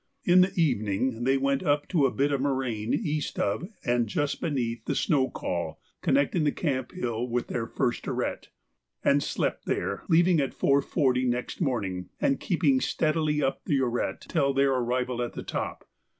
In the evening they went up to a bit of moraine east of, and just beneath, the snow col connecting the camp hill with their first arête, and slept there, leaving at 4.40 next morning, and keeping steadily up the arête till their arrival at the top.